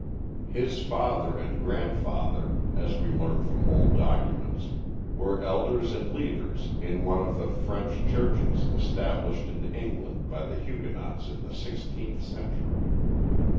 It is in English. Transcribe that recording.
His father and grandfather, as we learn from old documents, were elders and leaders in one of the French churches established in England by the Huguenots in the sixteenth century.